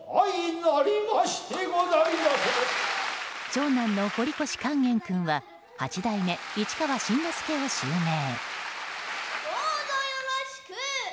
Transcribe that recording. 長男の堀越勸玄君は八代目市川新之助を襲名。